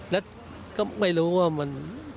แล้วก็ไม่รู้ว่ามัน